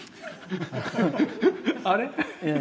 あれ？